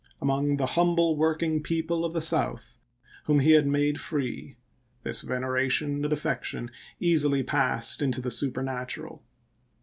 Among the humble working people of the South whom he had made free, this veneration and affection easily passed into the supernatural.